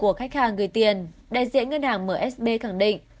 của khách hàng gửi tiền đại diện ngân hàng msb khẳng định